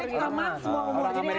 ya sering sama semua umur